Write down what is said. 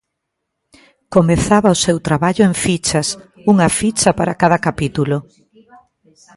Comezaba o seu traballo en fichas, unha ficha para cada capítulo.